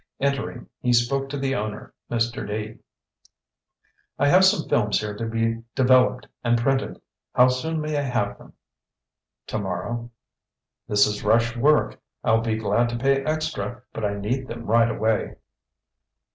Entering he spoke to the owner, Mr. Dee. "I have some films here to be developed and printed. How soon may I have them?" "Tomorrow." "This is rush work. I'll be glad to pay extra but I need them right away."